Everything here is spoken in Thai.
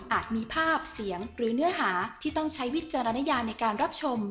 มีภาพเสียงหรือเนื้อหาที่ต้องใช้วิจารณญาในการรับชม